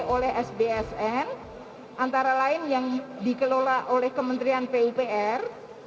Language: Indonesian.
oleh sbsn antara lain yang dikelola oleh kementerian pupr